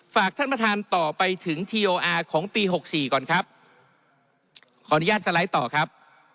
ฝากท่านประธานต่อไปถึงทีโออาร์ของปีหกสี่ก่อนครับขออนุญาตสไลด์ต่อครับ